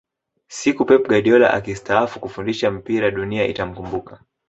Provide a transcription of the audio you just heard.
siku pep guardiola akistaafu kufundisha mpira dunia itamkumbuka